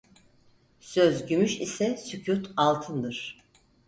Söz gümüş ise sükût altındır.